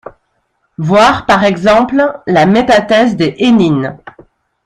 Voir, par exemple, la métathèse des énynes.